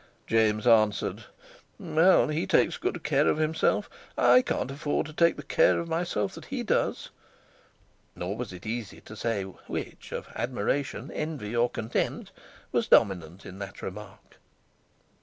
James answered: "Well, he takes good care of himself. I can't afford to take the care of myself that he does." Nor was it easy to say which, of admiration, envy, or contempt, was dominant in that remark.